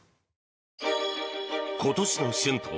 今年の春闘。